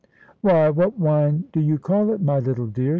"Why, what wine do you call it, my little dear?"